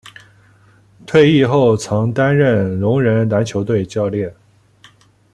退役后曾担任聋人篮球队教练。